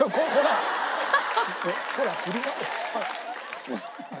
すいません。